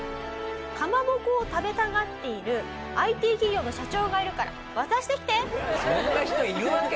かまぼこを食べたがっているＩＴ企業の社長がいるから渡してきて！